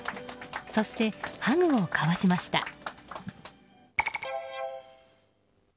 そして、ハグを交わしました。